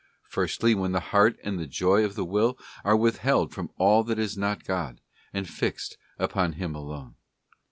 Firstly when the heart and the joy of the will are withheld from all that is not God, and fixed upon Him alone.